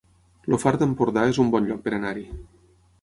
El Far d'Empordà es un bon lloc per anar-hi